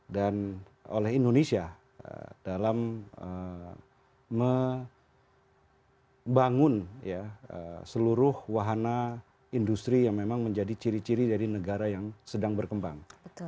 dan oleh indonesia dalam membangun seluruh wahana industri yang memang menjadi ciri ciri dari negara yang sedang berkembang